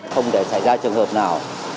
không để xảy ra trường hợp nào